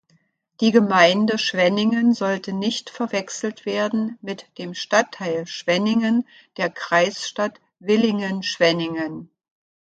Die Gemeinde Schwenningen sollte nicht verwechselt werden mit dem Stadtteil Schwenningen der Kreisstadt Villingen-Schwenningen.